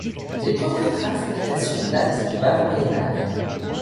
Les premières traces d'habitation datent du bas Moyen Âge.